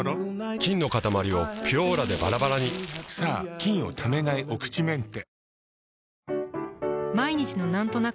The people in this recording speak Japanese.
菌のかたまりを「ピュオーラ」でバラバラにさぁ菌をためないお口メンテ。